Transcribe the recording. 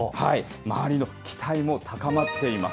周りの期待も高まっています。